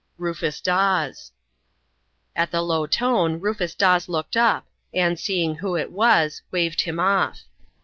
"Rufus Dawes." At the low tone Rufus Dawes looked up, and, seeing who it was, waved him off.